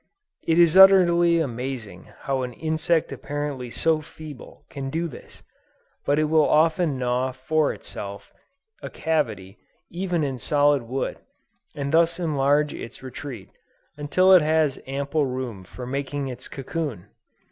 It is utterly amazing how an insect apparently so feeble, can do this; but it will often gnaw for itself a cavity, even in solid wood, and thus enlarge its retreat, until it has ample room for making its cocoon!